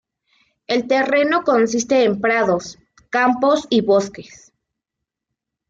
El terreno consiste en prados, campos y bosques.